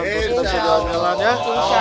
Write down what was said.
terus kita bisa beramil amil ya